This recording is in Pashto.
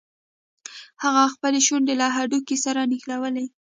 هغه خپلې شونډې له هډوکي سره نښلوي.